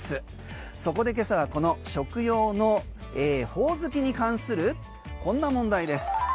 そこで今朝はこの食用のホオズキに関するこんな問題です。